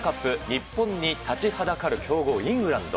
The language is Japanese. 日本に立ちはだかる強豪イングランド。